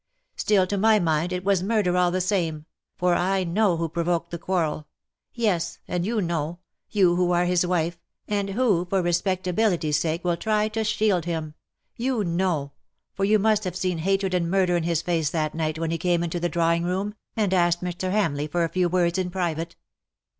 Stilly to my mind, it was murder all the same — for I know who provoked the quarrel — yes — and you know — you, who are his wife — and who, for respectability's sake, will try to shield him — you know — for you must have seen hatred and murder in his face that night when he came into the drawing room — and asked Mr. Hamleigli for a few words in private.